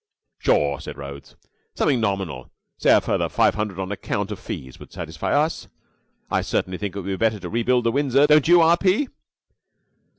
"Sure!" said Rhodes. "Something nominal, say a further five hundred on account of fees would satisfy us. I certainly think it would be better to rebuild the Windsor, don't you, R.